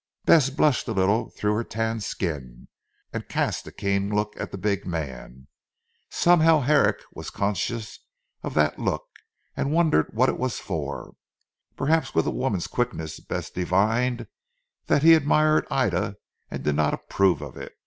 Bess blushed a little through her tanned skin, and cast a keen look at the big man. Somehow Herrick was conscious of that look, and wondered what it was for. Perhaps with a woman's quickness Bess divined that he admired Ida and did not approve of it.